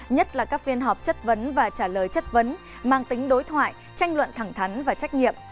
nhất là các phiên họp chất vấn và trả lời chất vấn mang tính đối thoại tranh luận thẳng thắn và trách nhiệm